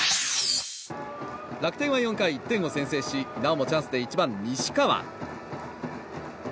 楽天は４回、１点を先制しなおもチャンスで１番、西川。